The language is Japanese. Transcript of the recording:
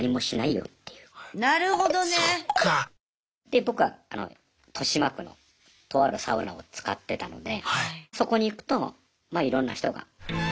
で僕は豊島区のとあるサウナを使ってたのでそこに行くとまあいろんな人がやっぱりいて。